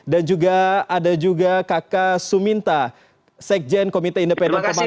dan juga ada juga kakak suminta sekjen komite independen komite komilu